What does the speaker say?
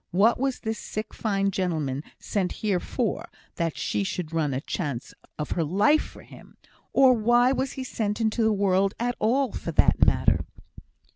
What was this sick fine gentleman sent here for, that she should run a chance of her life for him? or why was he sent into the world at all, for that matter?"